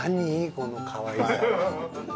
このかわいさは。